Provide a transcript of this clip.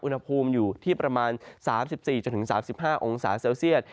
อุณหภูมิอยู่ที่ประมาณ๓๔๓๕องศาเซลเซียต